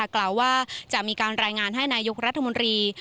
กล่าวว่าจะมีการรายงานให้นายกรัฐมนตรี